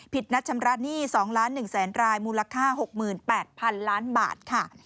ผิดนัดชำระหนี้๒๑๐๐๐๐๐รายมูลค่า๖๘๐๐๐ล้านบาท